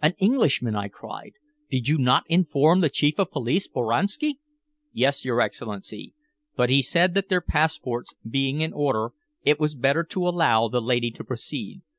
"An Englishman!" I cried. "Did you not inform the Chief of Police, Boranski?" "Yes, your Excellency. But he said that their passports being in order it was better to allow the lady to proceed.